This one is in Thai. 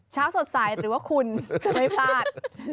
เช้าสดใสหรือว่าคุณจะไม่พลาด